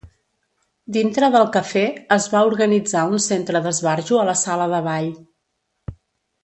Dintre del Café es va organitzar un Centre d'Esbarjo a la sala de ball.